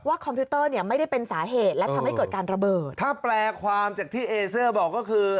คอมพิวเตอร์เนี่ยไม่ได้เป็นสาเหตุและทำให้เกิดการระเบิดถ้าแปลความจากที่เอเซอร์บอกก็คือ